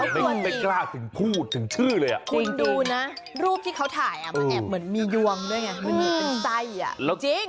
มันตายชัดไปหนึ่ง